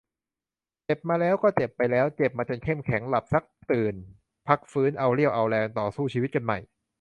เจ็บมาแล้ว ก็เจ็บไปแล้ว เจ็บมาจนเข้มแข็ง. หลับซักตื่น พักฟื้น เอาเรี่ยวเอาแรง ต่อสู้ชีวิตกันใหม่.